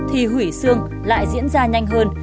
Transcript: hủy xương lại diễn ra nhanh hơn